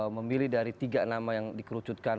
memilih dari tiga nama yang dikerucutkan